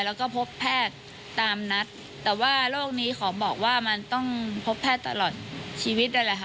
แล้วก็พบแพทย์ตามนัดแต่ว่าโรคนี้ขอบอกว่ามันต้องพบแพทย์ตลอดชีวิตนั่นแหละค่ะ